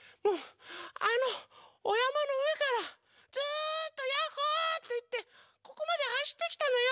あのおやまのうえからずっと「ヤッホー」っていってここまではしってきたのよ！